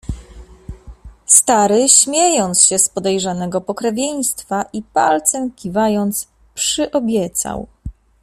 "Stary, śmiejąc się z podejrzanego pokrewieństwa i palcem kiwając, przyobiecał."